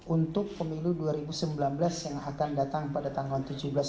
untuk pemilu dua ribu sembilan belas yang akan datang pada tahun seribu tujuh ratus enam puluh tiga